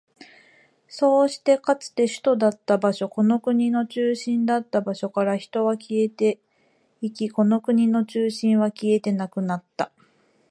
そうして、かつて首都だった場所、この国の中心だった場所から人は消えていき、この国の中心は消えてなくなった。